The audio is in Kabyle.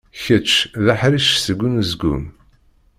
Kečč d aḥric seg unezgum.